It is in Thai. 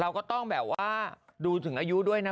เราก็ต้องดูถึงอายุด้วยนะ